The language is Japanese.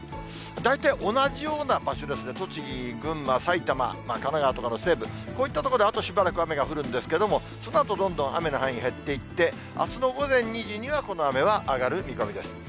大体同じような場所ですね、栃木、群馬、埼玉、神奈川とかの西部、こういった所であとしばらく雨が降るんですけども、そのあとどんどん雨の範囲、減っていって、あすの午前２時にはこの雨は上がる見込みです。